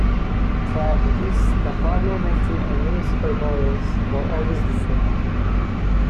Prior to this, the Parliamentary and Municipal Boroughs were always the same.